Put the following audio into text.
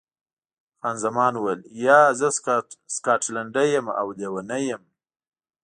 خان زمان وویل، یا، زه سکاټلنډۍ یم او لیونۍ یم.